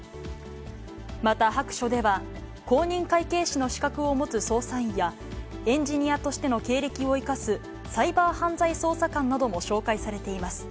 また白書では、公認会計士の資格を持つ捜査員や、エンジニアとしての経歴を生かすサイバー犯罪捜査官なども紹介されています。